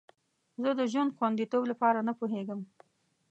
زه د ژوند خوندیتوب لپاره نه پوهیږم.